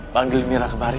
panggil mira kemarin